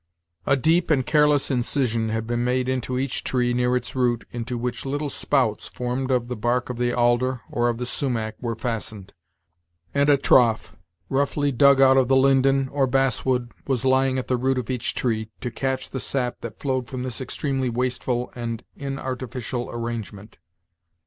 A deep and careless incision had been made into each tree, near its root, into which little spouts, formed of the bark of the alder, or of the sumach, were fastened; and a trough, roughly dug out of the linden, or basswood, was lying at the root of each tree, to catch the sap that flowed from this extremely wasteful and inartificial arrangement.